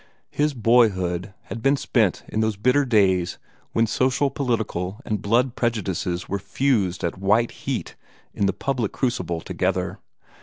His boyhood had been spent in those bitter days when social, political, and blood prejudices were fused at white heat in the public crucible together.